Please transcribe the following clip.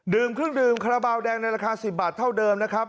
เครื่องดื่มคาราบาลแดงในราคา๑๐บาทเท่าเดิมนะครับ